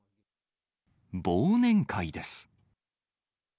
忘年会です。